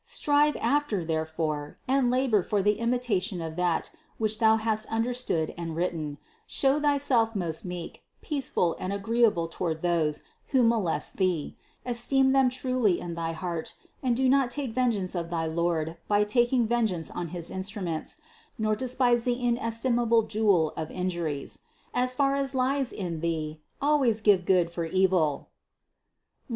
546 CITY OF GOD 712. Strive after, therefore, and labor for the imita tion of that, which thou hast understood and written; show thyself most meek, peaceful and agreeable toward those, who molest thee; esteem them truly in thy heart, and do not take vengeance of thy Lord by taking ven geance on his instruments, nor despise the inestimable jewel of injuries. As far as lies in thee always give good for evil, (Rom.